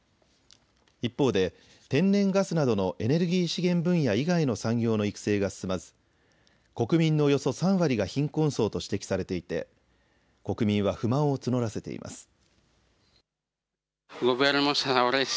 一方で天然ガスなどのエネルギー資源分野以外の産業の育成が進まず、国民のおよそ３割が貧困層と指摘されていて国民は不満を募らせています。